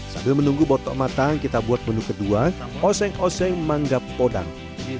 sambil menunggu botok matang kita buat menu kedua oseng oseng manggap odang